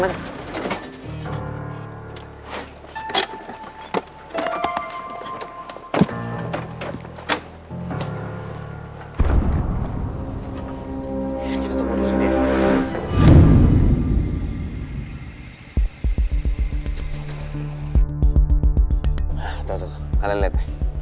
nah tuh tuh kalian lihat